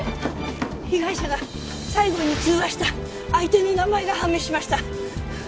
被害者が最後に通話した相手の名前が判明しました。